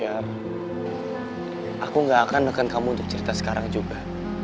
aku gak akan nekat kamu untuk cerita sekarang juga